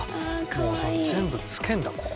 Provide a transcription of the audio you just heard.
もう全部つけんだここで。